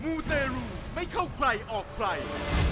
มูเตรูไม่เข้าใครออกใคร